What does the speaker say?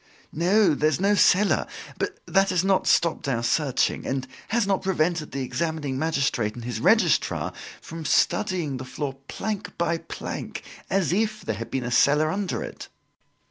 "No, there's no cellar. But that has not stopped our searching, and has not prevented the examining magistrate and his Registrar from studying the floor plank by plank, as if there had been a cellar under it."